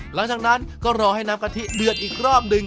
หลังจากนั้นก็รอให้น้ำกะทิเดือดอีกรอบหนึ่ง